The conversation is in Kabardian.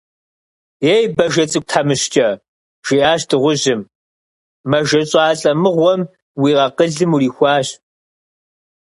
Ей, бажэ цӀыкӀу тхьэмыщкӀэ, – жиӀащ дыгъужьым, – мэжэщӀалӀэ мыгъуэм уи акъылым урихуащ.